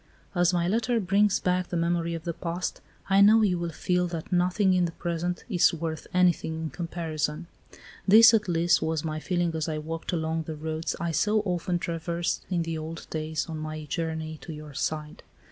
"As my letter brings back the memory of the past, I know you will feel that nothing in the present is worth anything in comparison. This, at least, was my feeling as I walked along the roads I so often traversed in the old days on my journey to your side.